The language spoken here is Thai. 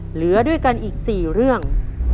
เหลือด้วยกันอีก๔เรื่อง